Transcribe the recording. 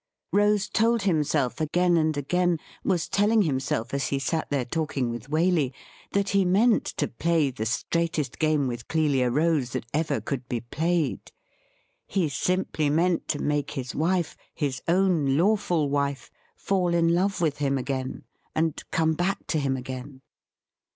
Rose told himself again and again — was telling himself as he sat there talking with Waley — ^that he meant to play the straightest game with Clelia Rose that ever could be played. He simply meant to make his wife — his own lawful wife — ^fall in love with him again, and come back to him again.